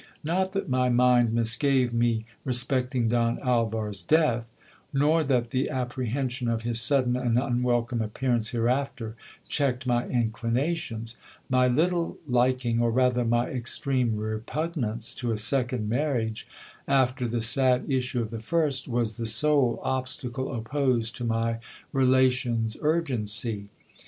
Not that my mind misgave me respect ing Don Alvar's death ; nor that the apprehension of his sudden and unwelcome appearance hereafter, checked my inclinations. My little liking, or rather my extreme repugnance, to a second marriage, after the sad issue of the first, was the sole obstacle opposed to my relation's urgency.